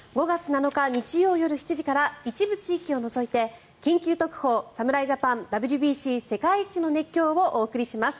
５月７日日曜夜７時から一部地域を除いて「緊急特報！侍ジャパンＷＢＣ世界一の熱狂！」をお送りします。